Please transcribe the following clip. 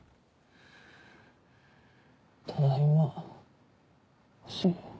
ただいま信。